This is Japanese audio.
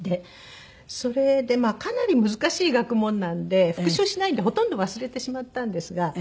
それでまあかなり難しい学問なんで復習しないんでほとんど忘れてしまったんですが。